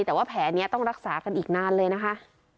แต่ว่าแผลนี้ต้องรักษากันอีกนานเลยนะคะ